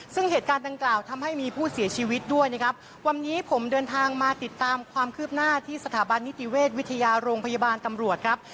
ซึ่งเหตุการณ์ดังกล่าวทำให้มีผู้เสียชีวิตด้วยนะครับวันนี้ผมเดินทางมาติดตามความคืบหน้าที่สถาบันนิติเวชวิทยาโรงพยาบาลตำรวจครับ